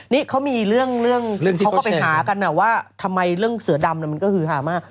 นี่เขามีเรื่องเขาก็ไปหากันนะว่าทำไมเรื่องเสือดำมันก็คือหามาก